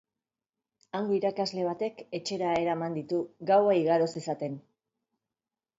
Hango irakasle batek etxera eraman ditu, gaua igaro zezaten.